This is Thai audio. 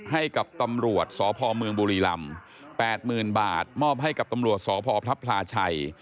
ให้กับตำรวจสพเมืองบุรีลำ๘๐๐๐บาทมอบให้กับตำรวจสพพระพลาชัย